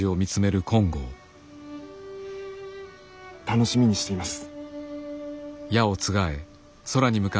楽しみにしています。